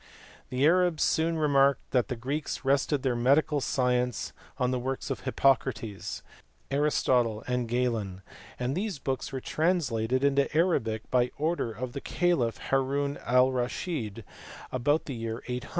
The Arabs soon remarked that the Greeks rested their medical science on the works of Hippocrates, Aristotle, and Galen ; and these books were translated into Arabic by order of the caliph Haroun Al Raschid about the year 800.